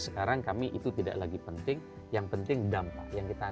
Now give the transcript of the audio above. sekarang kami itu tidak lagi penting yang penting dampak